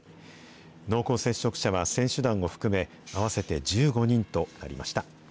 濃厚接触者は選手団を含め、合わせて１５人となりました。